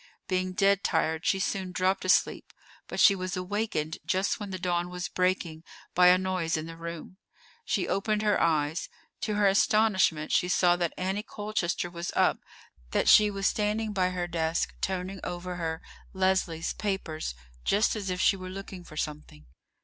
Being dead tired, she soon dropped asleep; but she was awakened just when the dawn was breaking by a noise in the room. She opened her eyes. To her astonishment, she saw that Annie Colchester was up; that she was standing by her desk turning over her (Leslie's) papers just as if she were looking for something.